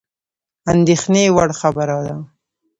اندېښني وړ خبره وه.